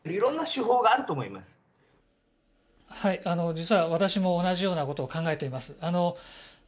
実は私も同じようなことを考えています。